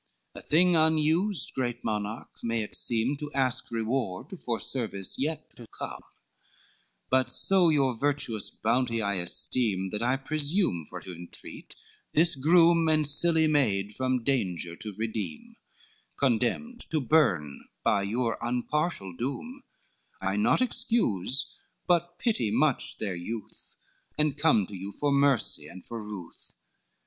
XLIX "A thing unused, great monarch, may it seem, To ask reward for service yet to come; But so your virtuous bounty I esteem, That I presume for to intreat this groom And silly maid from danger to redeem, Condemned to burn by your unpartial doom, I not excuse, but pity much their youth, And come to you for mercy and for ruth.